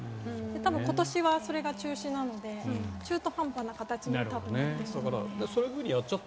今年はそれが中止なので中途半端な形になってしまった。